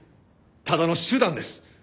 ただの手段です。